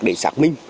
để xác minh